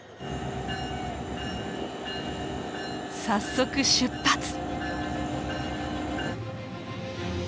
早速出発！